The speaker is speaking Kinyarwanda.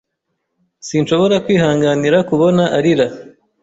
Sinshobora kwihanganira kubona arira.